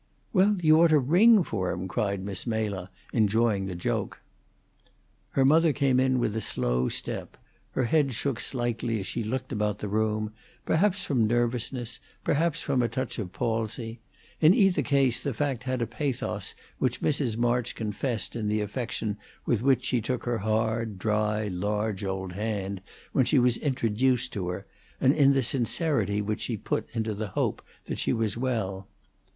"Well, you ought to ring for him!" cried Miss Mela, enjoying the joke. Her mother came in with a slow step; her head shook slightly as she looked about the room, perhaps from nervousness, perhaps from a touch of palsy. In either case the fact had a pathos which Mrs. March confessed in the affection with which she took her hard, dry, large, old hand when she was introduced to her, and in the sincerity which she put into the hope that she was well.